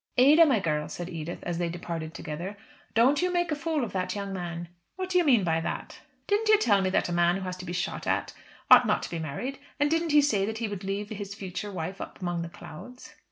"Ada, my girl," said Edith, as they departed together, "don't you make a fool of that young man." "What do you mean by that?" "Didn't you tell me that a man who has to be shot at ought not to be married; and didn't he say that he would leave his future wife up among the clouds?"